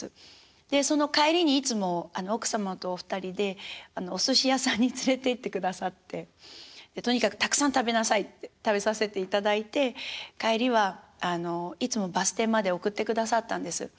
その帰りにいつも奥様とお二人でおすし屋さんに連れてってくださって「とにかくたくさん食べなさい」って食べさせていただいて帰りはいつもバス停まで送ってくださったんです。